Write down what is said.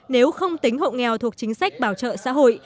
nếu không tính hộ nghèo thuộc chính sách bảo trợ xã hội